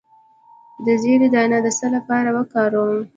د زیرې دانه د څه لپاره وکاروم؟